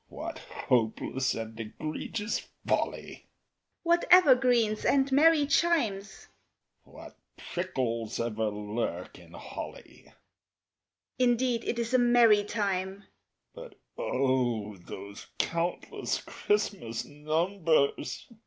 (What hopeless and egregious folly!) What evergreens and merry chimes! (What prickles ever lurk in holly!) Indeed it is a merry time; (_But O! those countless Christmas numbers!